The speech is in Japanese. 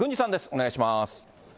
お願いします。